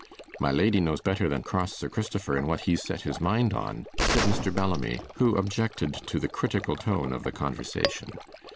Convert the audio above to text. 'My lady knows better than cross Sir Cristifer in what he's set his mind on,' said Mr. Bellamy, who objected to the critical tone of the conversation.